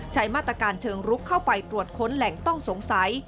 ใช้มาตรการเชิงลุกเข้าไปตรวจค้นแหล่งต้องสงสัย